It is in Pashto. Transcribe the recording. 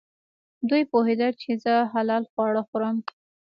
دوی پوهېدل چې زه حلال خواړه خورم.